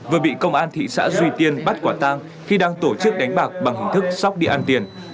vừa bị công an thị xã duy tiên bắt quả tang khi đang tổ chức đánh bạc bằng hình thức sóc địa ăn tiền